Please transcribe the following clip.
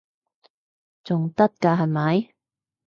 仲得㗎係咪？